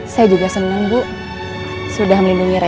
saya juga senang bu sudah melindungi